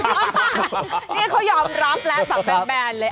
นี่เขายอมรับแล้วแบบแบนเลย